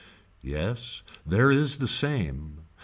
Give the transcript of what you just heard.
Yes there is the same.